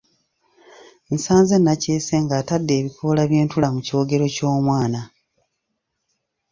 Nasanze Nakyese ng’atadde ebikoola by’entula mu kyogero ky’omwana.